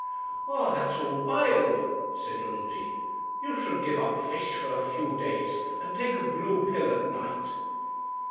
'Oh, that's all bile,' said Undy. 'You should give up fish for a few days, and take a blue pill at night.'